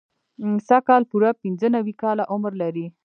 سږ کال پوره پنځه نوي کاله عمر لري.